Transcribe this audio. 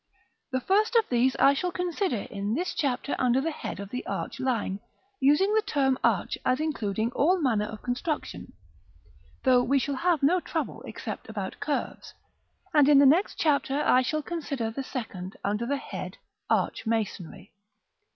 The first of these I shall consider in this Chapter under the head of the Arch Line, using the term arch as including all manner of construction (though we shall have no trouble except about curves); and in the next Chapter I shall consider the second, under the head, Arch Masonry.